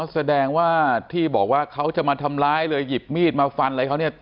แสดงว่าที่บอกว่าเขาจะมาทำร้ายเลยหยิบมีดมาฟันอะไรเขาเนี่ย